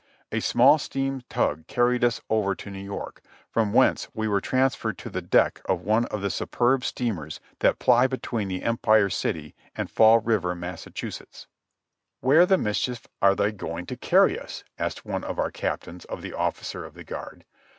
A small steam tug carried us over to New York, from whence we were transferred to the deck of one of the superb steamers that ply between the Empire City and Fall River, Massachusetts. PRISON LIFE AT FORT WARREN 211 "Where the mischief are you going to carry us?" asked one of our captains of the officer of the guard.